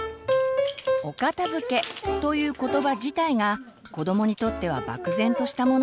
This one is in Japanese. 「お片づけ」という言葉自体が子どもにとっては漠然としたもの。